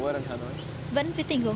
đây không phải tiền thật